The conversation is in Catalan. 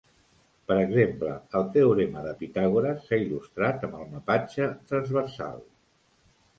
Per exemple, el teorema de Pitàgores s'ha il·lustrat amb el mapatge transversal.